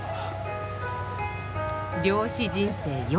漁師人生